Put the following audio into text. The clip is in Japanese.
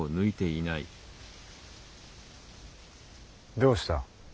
どうした？